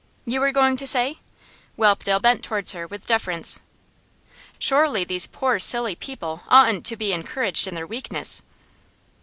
'You were going to say ' Whelpdale bent towards her with deference. 'Surely these poor, silly people oughtn't to be encouraged in their weakness.